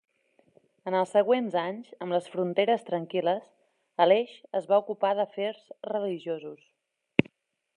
En els següents anys, amb les fronteres tranquil·les, Aleix es va ocupar d'afers religiosos.